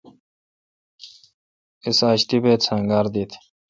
اس آج طیبیت سہ انگار دیت۔